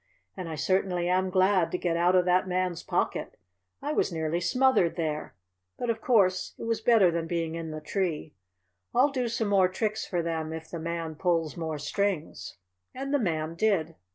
"And I certainly am glad to get out of that Man's pocket. I was nearly smothered there, but of course it was better than being in the tree. I'll do some more tricks for them if the Man pulls more strings." And the Man did.